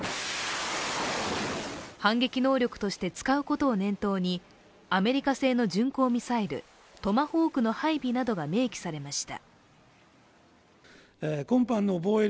反撃能力として使うことを念頭にアメリカ製の巡航ミサイルトマホークの配備などが明記されました。